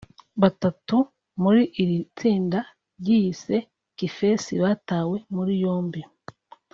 Batatu muri iri tsinda ryiyise « Kifeesi » batawe muri yombi